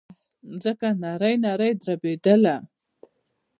ځمکه نرۍ نرۍ دربېدله.